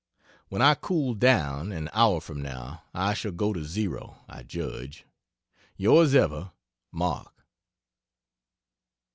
When I cool down, an hour from now, I shall go to zero, I judge. Yrs ever, MARK.